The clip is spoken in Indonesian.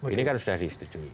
ini kan sudah disetujui